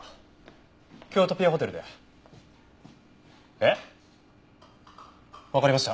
えっ？わかりました。